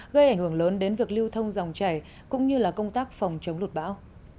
gây ảnh hưởng lớn đến việc lưu thông dòng chảy cũng như công tác phòng chống lụt bão